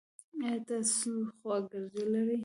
ایا تاسو خواګرځی لری؟